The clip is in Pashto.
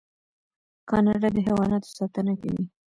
کاناډا د حیواناتو ساتنه کوي.